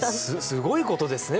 すごいことですね。